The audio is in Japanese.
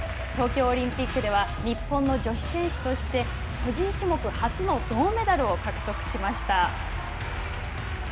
東京オリンピックでは日本の女子選手として個人種目初の銅メダルを獲得しました。